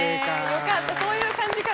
よかったそういう感じか。